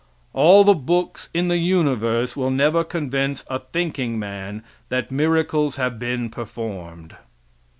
All the books in the universe will never convince a thinking man that miracles have been performed.